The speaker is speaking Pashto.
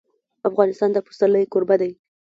افغانستان د پسرلی کوربه دی.